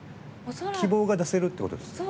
希望が出せるってことですか？